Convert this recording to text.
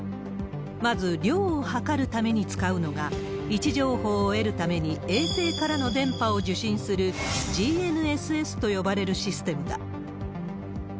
まず量を測るために使うのが、位置情報を得るために衛星からの電波を受信する、ＧＮＳＳと呼ばれるシステムだ。